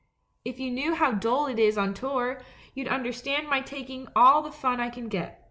If you knew how dull it is on tour, you'd under stand my taking all the fun I can get.